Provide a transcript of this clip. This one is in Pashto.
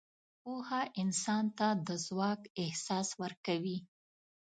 پوهه انسان ته د ځواک احساس ورکوي.